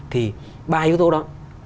thì ba yếu tố đó